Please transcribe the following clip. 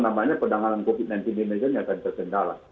saya khawatir maka pendanggalan covid sembilan belas di indonesia akan terkendala